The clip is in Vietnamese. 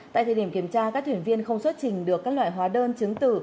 tại thời điểm kiểm tra các thuyền viên không xuất trình được các loại hóa đơn chứng tử